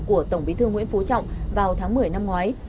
của tổng bí thư nguyễn phú trọng vào tháng một mươi năm ngoái